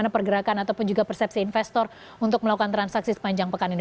bagaimana pergerakan ataupun juga persepsi investor untuk melakukan transaksi sepanjang pekan ini